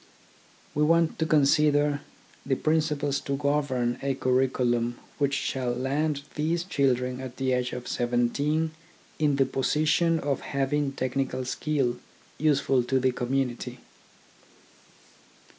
We want to consider the E 50 THE ORGANISATION OF THOUGHT principles to govern a curriculum which shall land these children at the age of seventeen in the position of having technical skill useful to the community.